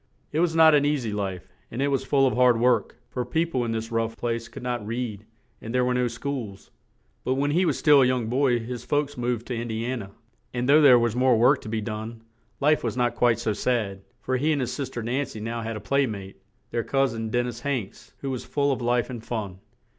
It was not an eas y life, and it was full of hard work, for peo ple in this rough place could not read and there were no schools; but when he was still a young boy his folks moved to In di an a, and though there was more work to be done, life was not quite so sad, for he and his sis ter Nan cy now had a play mate, their cous in, Den nis Hanks, who was full of life and fun.